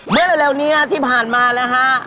เมื่อเร็วนี้ที่ผ่านมานะฮะ